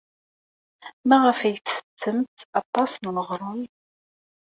Maɣef ay tettettemt aṭas n uɣrum?